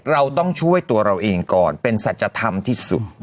เราต้องช่วยตัวเราเองก่อนเป็นสัจธรรมที่สุด